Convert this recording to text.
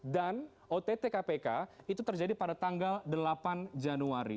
dan ott kpk itu terjadi pada tanggal delapan januari